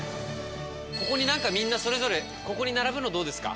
ここになんかみんなそれぞれここに並ぶのどうですか？